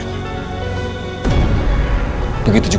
untuk membuatnya menjadi anak siluman